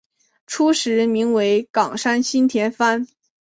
初时名为冈山新田藩。